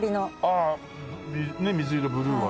ああ水色ブルーのね。